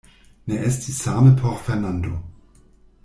Ne estis same por Fernando.